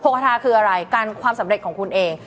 คาทาคืออะไรกันความสำเร็จของคุณเอง